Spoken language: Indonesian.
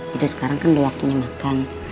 kita sekarang kan udah waktunya makan